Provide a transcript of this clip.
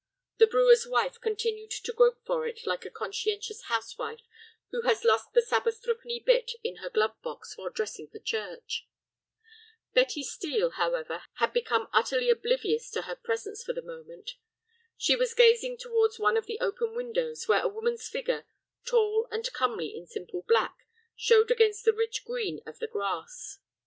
The brewer's wife continued to grope for it like a conscientious housewife who has lost the Sabbath threepenny bit in her glove box while dressing for church. Betty Steel, however, had become utterly oblivious of her presence for the moment. She was gazing towards one of the open windows where a woman's figure, tall and comely in simple black, showed against the rich green of the grass.